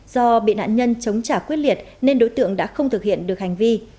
do bị nạn nhân chống trả quyết liệt nên đối tượng đã không thực hiện được hành vi